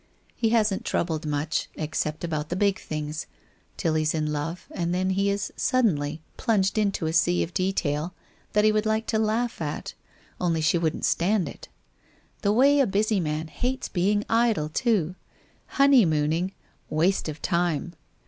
He hasn't troubled much, except about the big things, till he's in love and then he is suddenly plunged into a sea of de tail that he would like to laugh at, only she wouldn't stand it. The way a busy man hates being idle too! Honey mooning — waste of time!